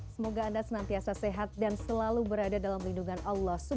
semoga anda senantiasa sehat dan selalu berada dalam lindungan allah swt